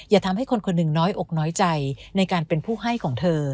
อย่าทำให้คนคนหนึ่งน้อยอกน้อยใจในการเป็นผู้ให้ของเธอ